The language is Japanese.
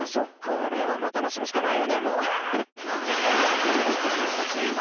これはもう楽しむしかないよね